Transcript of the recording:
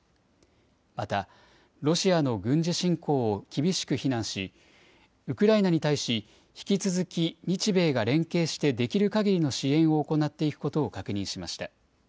また、ロシアの軍事侵攻を厳しく非難し、ウクライナに対し、引き続き、日米が連携してできるかぎりの支援を行っていくことを確認しました。